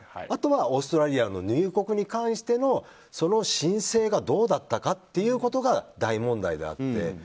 あとは、オーストラリアの入国に関してのその申請がどうだったかということが大問題であって。